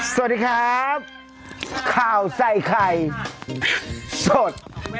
สวัสดีครับข้าวใส่ไข่สด